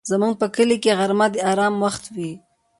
زموږ په کلي کې غرمه د آرام وخت وي